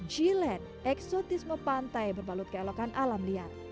jilet eksotisme pantai berbalut keelokan alam liar